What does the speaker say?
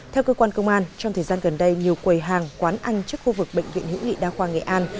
theo cơ quan công an trong thời gian gần đây nhiều quầy hàng quán ăn trước khu vực bệnh viện hữu nghị đa khoa nghệ an